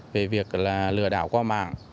về việc lừa đảo qua mạng